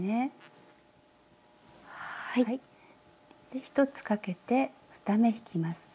で１つかけて２目引きます。